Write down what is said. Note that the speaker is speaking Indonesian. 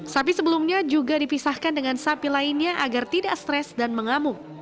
sapi sebelumnya juga dipisahkan dengan sapi lainnya agar tidak stres dan mengamuk